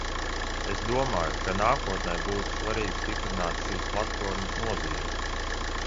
Es domāju, ka nākotnē būtu svarīgi stiprināt šīs platformas nozīmi.